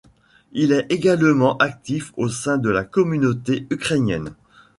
Il est également actif au sein de la communauté ukrainienne.